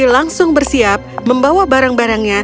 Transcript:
langsung bersiap membawa barang barangnya